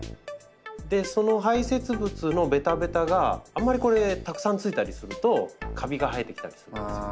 その排せつ物のベタベタがあんまりこれたくさんついたりするとカビが生えてきたりするんですよ。